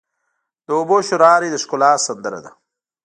د اوبو شرهاری د ښکلا سندره ده.